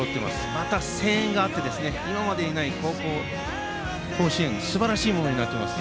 また声援があって今までにないすばらしいものになっています。